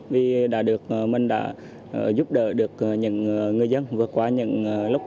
vì đã được mình đã giúp đỡ được những người dân vượt qua những lúc